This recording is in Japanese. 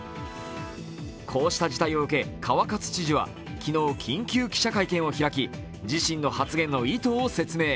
こうした事態を受け川勝知事は昨日緊急記者会見を開き自身の発言の意図を説明。